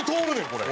これ。